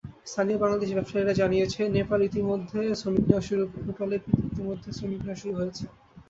স্থানীয় বাংলাদেশি ব্যবসায়ীরা জানিয়েছেন, নেপাল থেকে ইতিমধ্যে শ্রমিক নেওয়া শুরু হয়েছে।